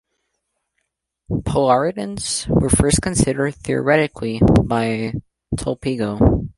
Polaritons were first considered theoretically by Tolpygo.